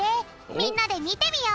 みんなでみてみよう！